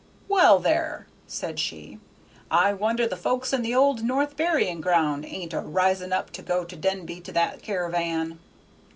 "Well, there!" said she, "I wonder the folks in the old North burying ground ain't a rising up to go to Denby to that caravan!"